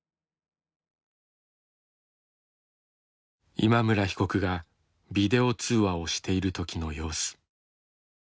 今村被告がビデオ通話をしている時の様子。